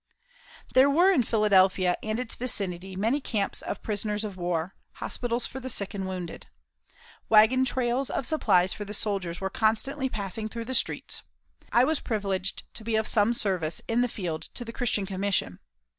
There were in Philadelphia and its vicinity many camps of prisoners of war, hospitals for the sick and wounded. Waggon trains of supplies for the soldiers were constantly passing through the streets. I was privileged to be of some service in the field to the Christian Commission.